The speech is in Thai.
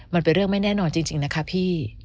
มันเป็นเรื่องไม่แน่นอนจริงนะคะพี่